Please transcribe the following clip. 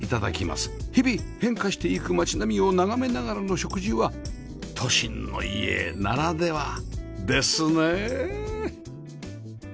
日々変化していく街並みを眺めながらの食事は都心の家ならではですねえ！